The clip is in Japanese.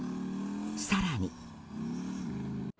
更に。